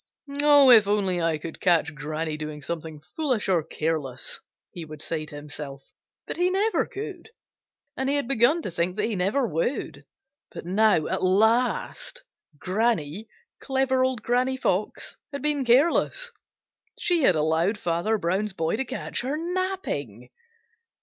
"If only I could catch Granny doing something foolish or careless," he would say to himself. But he never could, and he had begun to think that he never would. But now at last Granny, clever Old Granny Fox, had been careless! She had allowed Farmer Brown's boy to catch her napping!